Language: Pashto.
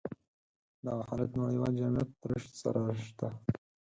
دغه حالت نړيوال جميعت رشد سره شته.